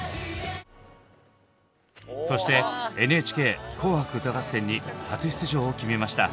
そしてＮＨＫ「紅白歌合戦」に初出場を決めました。